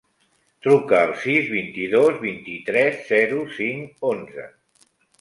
Truca al sis, vint-i-dos, vint-i-tres, zero, cinc, onze.